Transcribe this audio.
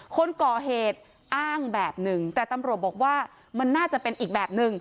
คนก่อเหตุอ้างแบบหนึ่งแต่ตำรวจบอกว่ามันน่าจะเป็นอีกแบบนึง